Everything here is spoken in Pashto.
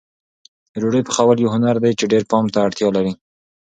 د ډوډۍ پخول یو هنر دی چې ډېر پام ته اړتیا لري.